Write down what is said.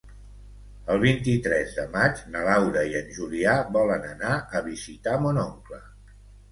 El vint-i-tres de maig na Laura i en Julià volen anar a visitar mon oncle.